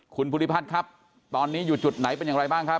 คุณภูริพัฒน์ครับตอนนี้อยู่จุดไหนเป็นอย่างไรบ้างครับ